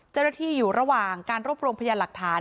เจอได้ที่อยู่ระหว่างการรบโรงพยานหลักฐาน